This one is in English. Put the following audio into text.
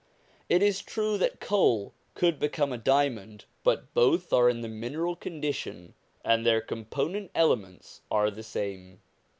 It is true that coal could become a diamond, but both are in the mineral condition and their component elements are the same.